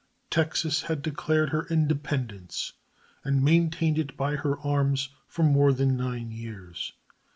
Texas had declared her independence and maintained it by her arms for more than nine years.